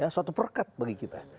suatu perkat bagi kita